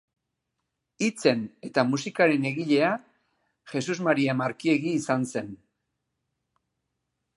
Hitzen eta musikaren egilea Jesus Maria Markiegi izan zen.